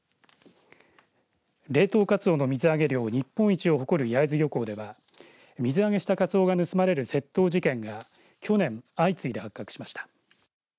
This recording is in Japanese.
冷凍カツオの水揚げ量日本一を誇る焼津漁港では水揚げしたカツオが盗まれる窃盗事件が去年、相次いで発覚しました。